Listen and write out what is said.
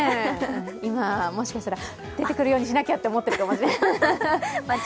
今、もしかしたら出てくるようにしなきゃと思ってるかもしれない。